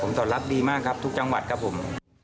ตอบรับดีมากครับทุกจังหวัดครับผม